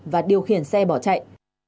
và điều khiển xe bỏ chạy